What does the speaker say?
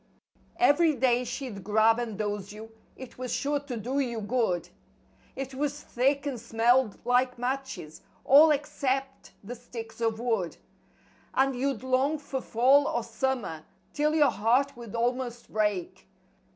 Every day she'd grab and dose you—it was sure to do you good; It was thick and smelled like matches—all except the sticks of wood, And you'd long for fall or summer 'til your heart would almost break.